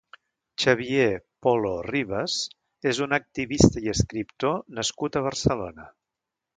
Xavier Polo Ribas és un activista i escriptor nascut a Barcelona.